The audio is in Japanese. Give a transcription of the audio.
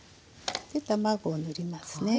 で卵を塗りますね。